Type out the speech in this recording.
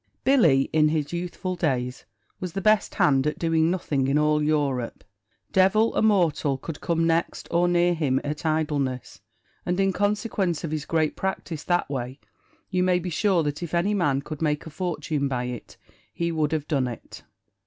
Billy, in his youthful days, was the best hand at doing nothing in all Europe; devil a mortal could come next or near him at idleness; and, in consequence of his great practice that way, you may be sure that if any man could make a fortune by it he would have done it.